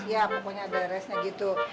ya pokoknya ada resnya gitu